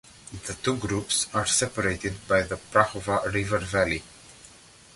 The two groups are separated by the Prahova River Valley.